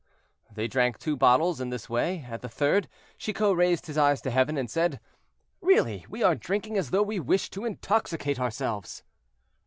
They drank two bottles in this way; at the third, Chicot raised his eyes to heaven, and said: "Really, we are drinking as though we wished to intoxicate ourselves."